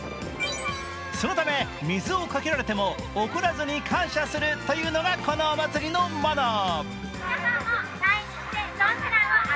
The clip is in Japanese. そのため水をかけられても怒らずに感謝するというのがこのお祭りのマナー。